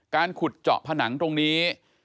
การขุดเจาะผนังตรงนี้